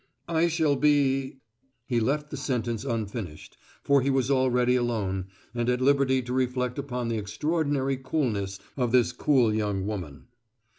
"I shall be " He left the sentence unfinished, for he was already alone, and at liberty to reflect upon the extraordinary coolness of this cool young woman.